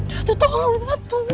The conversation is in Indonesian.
datuk tolong datuk